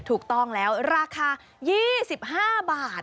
ถูกต้องแล้วราคา๒๕บาท